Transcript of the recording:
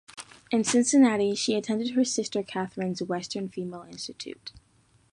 In Cincinnati she attended her sister Catharine's Western Female Institute.